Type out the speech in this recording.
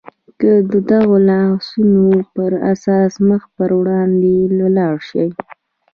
که د دغو لارښوونو پر اساس مخ پر وړاندې ولاړ شئ.